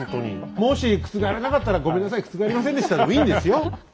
もし覆らなかったら「ごめんなさい覆りませんでした」でもいいんですよ？